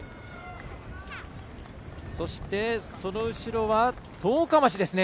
そして、その後ろは十日町ですね。